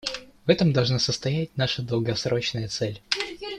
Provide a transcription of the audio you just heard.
В этом должна состоять наша долгосрочная цель.